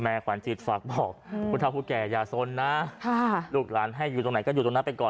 ขวัญจิตฝากบอกผู้เท่าผู้แก่อย่าสนนะลูกหลานให้อยู่ตรงไหนก็อยู่ตรงนั้นไปก่อน